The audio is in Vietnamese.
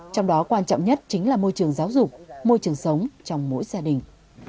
trong đó quan trọng nhất chính là môi trường giáo dục môi trường sống trong mỗi gia đình